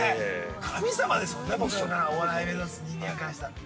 神様ですもんね、僕らお笑い目指す人間からしたら。